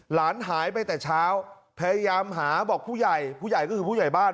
หลานหายไปแต่เช้าพยายามหาบอกผู้ใหญ่ผู้ใหญ่ก็คือผู้ใหญ่บ้าน